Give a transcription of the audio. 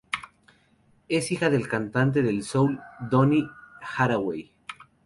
Es hija del cantante de soul Donny Hathaway.